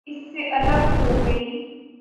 اس سے الگ ہو گئی۔